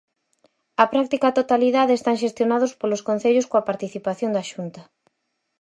A práctica totalidade están xestionados polos concellos coa participación da Xunta.